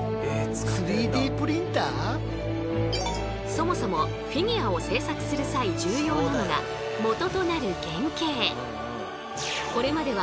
そもそもフィギュアを製作する際重要なのがもととなる「原型」。